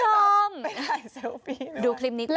ทางนู้นไปถ่ายเซลฟี่หน่อยว่า